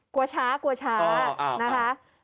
เกราะช้าแม่น้ำหนึ่ง